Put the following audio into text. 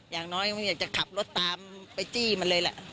อย่างน้อยคงอยากจะขับรถตามไปจี้มันเลยแหละ